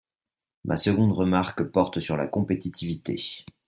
Ma seconde remarque porte sur la compétitivité.